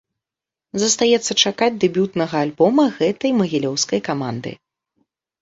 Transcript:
Застаецца чакаць дэбютнага альбома гэтай магілёўскай каманды.